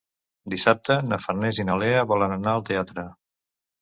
Dissabte na Farners i na Lea volen anar al teatre.